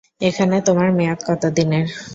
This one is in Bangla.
এখানে তোমার মেয়াদ কতদিনের?